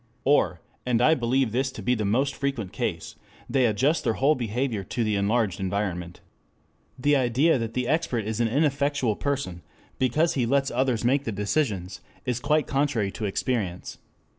Or, and I believe this to be the most frequent case, they adjust their whole behavior to the enlarged environment. The idea that the expert is an ineffectual person because he lets others make the decisions is quite contrary to experience.